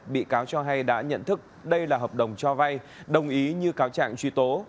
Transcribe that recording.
bị cáo cho hay đã nhận thức đây là hợp đồng cho vay đồng ý như cáo trạng truy tố